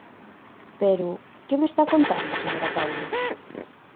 Pero, ¿que me está contando, señora Paulo?